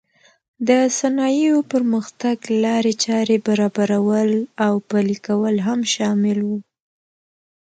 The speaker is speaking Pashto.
د صنایعو پرمختګ لارې چارې برابرول او پلې کول هم شامل و.